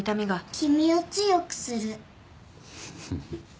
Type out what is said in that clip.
「君を強くする」